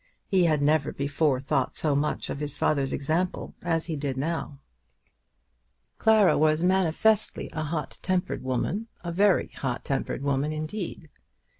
He had never before thought so much of his father's example as he did now. Clara was manifestly a hot tempered woman, a very hot tempered woman indeed!